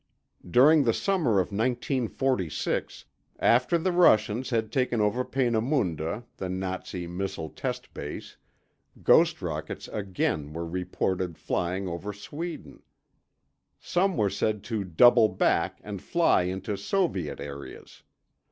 During the summer of 1946, after the Russians had taken over Peenemunde, the Nazi missile test base, ghost rockets again were reported flying over Sweden. Some were said to double back and fly into Soviet areas.